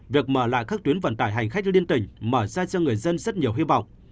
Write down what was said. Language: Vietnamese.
việc mở lại các tuyến vận tải hành khách liên tỉnh mở ra cho người dân rất nhiều hy vọng